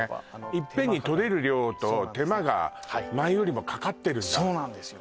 いっぺんに採れる量と手間が前よりもかかってるんだそうなんですよ